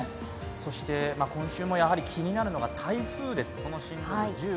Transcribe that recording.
そして今週もやはり気になるのは台風です。